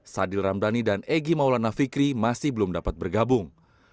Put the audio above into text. sadil ramdhani dan egy maulana fikri masih belum dapat bergabung